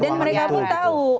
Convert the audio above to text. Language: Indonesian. iya dan mereka pun tahu